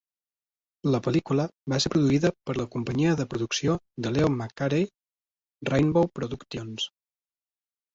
La pel·lícula va ser produïda per la companyia de producció de Leo McCarey, Rainbow Productions.